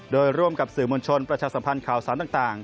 โดยร่วมกับสื่อมวลชนประชาสัมพันธ์ข่าวสารต่าง